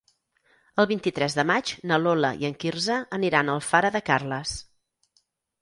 El vint-i-tres de maig na Lola i en Quirze aniran a Alfara de Carles.